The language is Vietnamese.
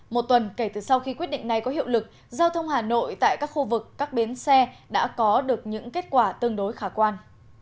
một tuần kể từ sau khi quyết định này có hiệu lực giao thông hà nội tại các khu vực các bến xe đã có được những kết quả tương đối khả quan